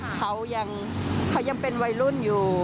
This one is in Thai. เขายังเป็นวัยรุ่นอยู่